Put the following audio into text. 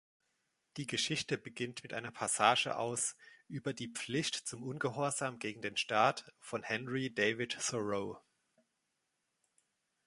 Die Geschichte beginnt mit einer Passage aus „Über die Pflicht zum Ungehorsam gegen den Staat“ von Henry David Thoreau.